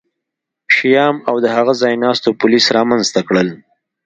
شیام او د هغه ځایناستو پولیس رامنځته کړل